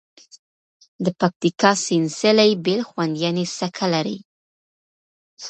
د پکتیکا سینځلي بیل خوند یعني څکه لري.